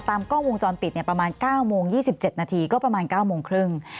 กล้องวงจรปิดประมาณ๙โมง๒๗นาทีก็ประมาณ๙โมงครึ่ง